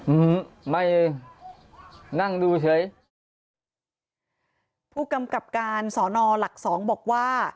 อืมไม่นั่งดูเฉยผู้กำกับการสอนอหลักสองบอกว่า